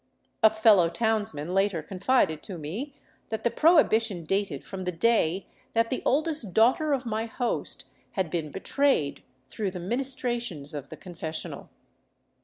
A fellow townsman later confided to me that the prohibi tion dated from the day that the oldest daughter of my host had been betrayed through the ministrations of the confessional.